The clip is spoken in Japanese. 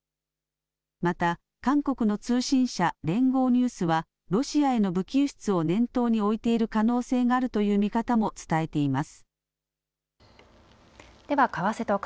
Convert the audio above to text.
また、韓国の通信社、連合ニュースはロシアへの武器輸出を念頭に置いている可能性があるという見方も伝えています。